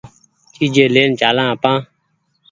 چيجي لين چآلآن آپان